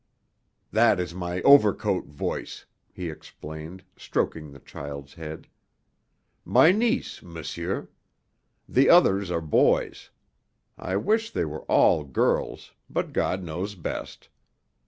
"That is my overcoat voice," he explained, stroking the child's head. "My niece, monsieur. The others are boys. I wish they were all girls, but God knows best.